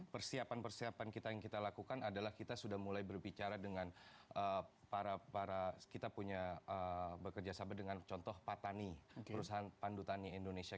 persiapan persiapan kita yang kita lakukan adalah kita sudah mulai berbicara dengan para kita punya bekerja sama dengan contoh patani perusahaan pandu tani indonesia